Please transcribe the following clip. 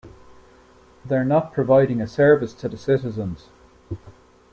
They're not providing a service to the citizens.